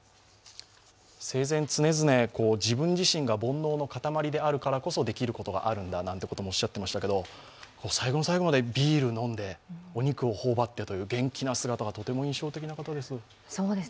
生前、常々自分自身が煩悩の塊であるからこそできることがあるんだなんてこともおっしゃっていましたが、最後の最後までビールを飲んでお肉を頬張ってという元気な姿がとても印象的な方です。